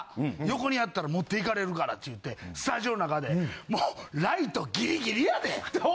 横にやったら持っていかれるからって言うてスタジオの中でもうライトぎりぎりやで。